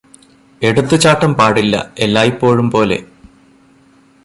എടുത്തുചാട്ടം പാടില്ല എല്ലായ്പോഴും പോലെ